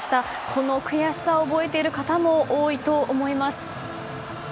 この悔しさを覚えている方も多いと思います。